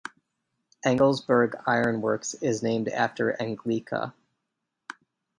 Engelsberg Ironworks is named after Englika.